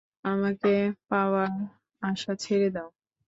আমাকে পাওয়ার আশা ছেড়ে দাও!